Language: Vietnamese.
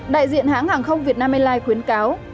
đại diện hãng hàng không việt nam airlines khuyến cáo